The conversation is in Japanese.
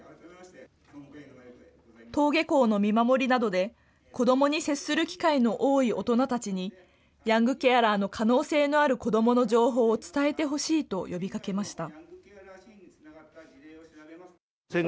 登下校の見守りなどで子どもに接する機会の多い大人たちにヤングケアラーの可能性のある子どもの情報を伝えてほしいと呼びかけました。